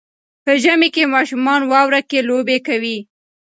په ژمي کې ماشومان واوره کې لوبې کوي.